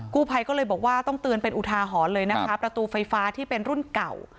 กู้ภัยก็เลยบอกว่าต้องเตือนเป็นอุทาหรณ์เลยนะคะประตูไฟฟ้าที่เป็นรุ่นเก่า